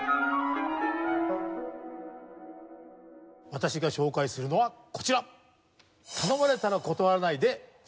私が紹介するのはこちら。